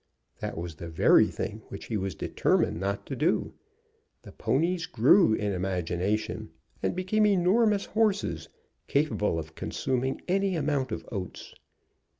That was the very thing which he was determined not to do. The ponies grew in imagination, and became enormous horses capable of consuming any amount of oats.